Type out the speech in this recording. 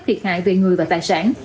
thiệt hại về người và tài sản